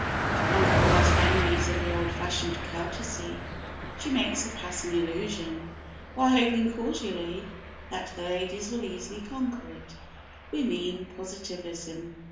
To one of the worst enemies of the old fashioned courtesy she makes a passing allusion, while hoping cordially that the ladies will easily conquer it we mean Positivism.